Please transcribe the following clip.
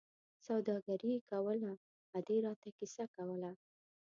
سوداګري یې کوله، ادې را ته کیسه کوله.